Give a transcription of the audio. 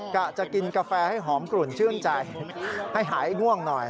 กะจะกินกาแฟให้หอมกลุ่นชื่นใจให้หายง่วงหน่อย